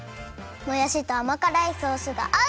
もやしとあまからいソースがあう！